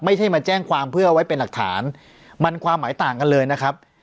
ไม่ใช่มาแจ้งความเพื่อไว้เป็นหลักฐานมันความหมายต่างกันเลยนะครับ